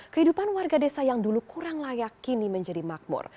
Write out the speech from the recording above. kehidupan warga desa yang dulu kurang layak kini menjadi makmur